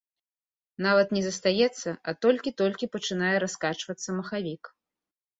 Нават не застаецца, а толькі-толькі пачынае раскачвацца махавік!